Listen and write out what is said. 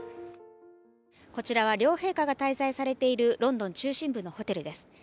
こちらは両陛下が滞在されているロンドン中心部のホテルです。